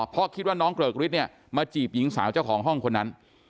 เพราะคิดว่าน้องเกริกฤทธิเนี่ยมาจีบหญิงสาวเจ้าของห้องคนนั้น